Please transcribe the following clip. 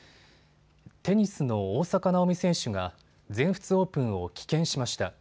テニスの大坂なおみ選手が全仏オープンを棄権しました。